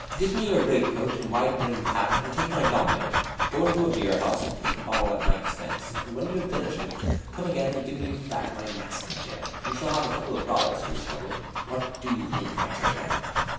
Give me your great coat and wide brimmed hat, and take my domino. Go into a beer house and take a bottle at my expense; and when you have finished it, come again and give me back my masking gear. You shall have a couple of dollars for your trouble. What do you think, my treasure?"